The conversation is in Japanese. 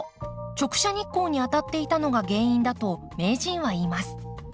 直射日光に当たっていたのが原因だと名人は言います。